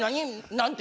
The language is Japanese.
何て？